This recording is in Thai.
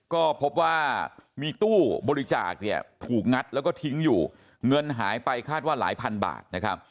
ก็พบว่ามีตู้บริจาคเนี่ยถูกงัดแล้วก็ทิ้งอยู่เงินหายไปคาดว่าหลายพันบาทนะครับ